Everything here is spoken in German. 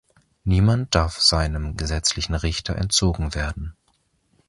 Niemand darf seinem gesetzlichen Richter entzogen werden.